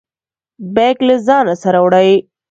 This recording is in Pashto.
بیګ له ځانه سره وړئ؟